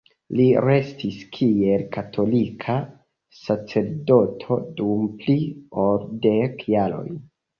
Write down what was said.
Li restis kiel katolika sacerdoto dum pli ol dek jaroj.